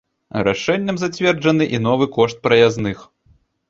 Рашэннем зацверджаны і новы кошт праязных.